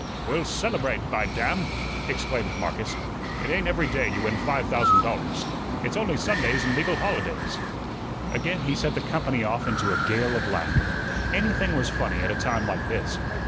"We'll celebrate, by damn!" exclaimed Marcus. "It ain't every day you win five thousand dollars. It's only Sundays and legal holidays." Again he set the company off into a gale of laughter. Anything was funny at a time like this.